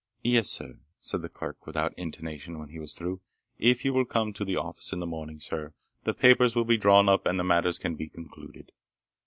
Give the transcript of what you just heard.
"Yes, sir," said the clerk without intonation when he was through. "If you will come to the office in the morning, sir, the papers will be drawn up and matters can be concluded.